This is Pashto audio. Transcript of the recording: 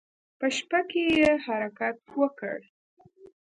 په شپه کې يې حرکت وکړ.